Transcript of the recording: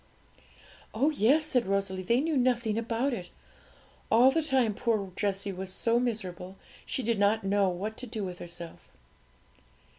'Oh yes!' said Rosalie; 'they knew nothing about it. All the time poor Jessie was so miserable she did not know what to do with herself.'